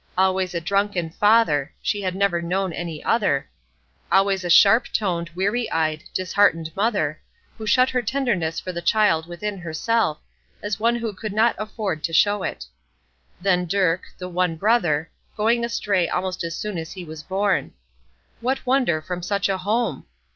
Always a drunken father, she had never known any other; always a sharp toned, weary eyed, disheartened mother, who shut her tenderness for the child within herself, as one who could not afford to show it. Then Dirk, the one brother, going astray almost as soon as he was born. What wonder, from such a home?